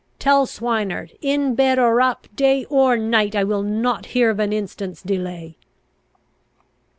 Tell Swineard, in bed or up, day or night, I will not hear of an instant's delay."